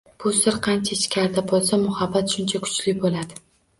Bu sir qancha ichkarida bo‘lsa, muhabbat shuncha kuchli bo‘ladi